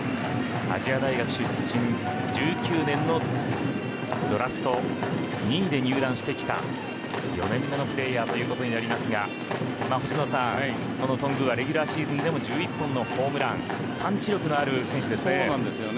亜細亜大学出身１９年のドラフト２位で入団してきた４年目のプレーヤーということになりますが星野さん、この頓宮はレギュラーシーズンでも１１本のホームランパンチ力のある選手ですね。